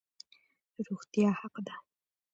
روغتیا حق دی